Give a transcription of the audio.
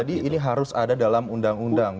jadi ini harus ada dalam undang undang